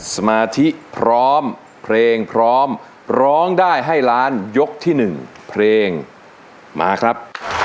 สมาธิพร้อมเพลงพร้อมร้องได้ให้ล้านยกที่๑เพลงมาครับ